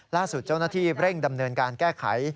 ล่าสุดเจ้าหน้าที่เร่งดำเนินการแก้ไข